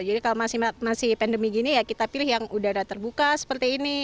jadi kalau masih pandemi gini ya kita pilih yang udara terbuka seperti ini